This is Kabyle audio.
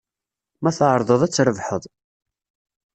Ma tɛerḍeḍ, ad trebḥeḍ.